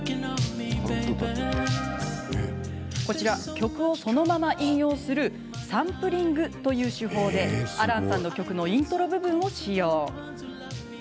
曲をそのまま引用するサンプリングという手法で亜蘭さんの曲のイントロ部分を使用。